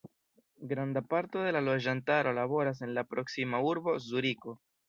Granda parto de la loĝantaro laboras en la proksima urbo Zuriko.